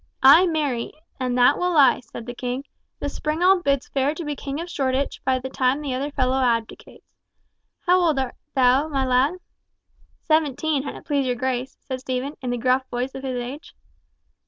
"Ay, marry, and that will I," said the king. "The springald bids fair to be King of Shoreditch by the time the other fellow abdicates. How old art thou, my lad?" "Seventeen, an it please your grace," said Stephen, in the gruff voice of his age.